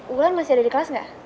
wulan masih ada di kelas gak